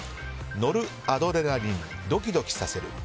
ノルアドレナリンドキドキさせる。